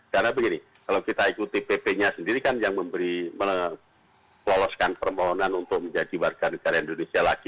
karena begini kalau kita ikuti pp nya sendiri kan yang memberi melepaskan permohonan untuk menjadi warga negara indonesia lagi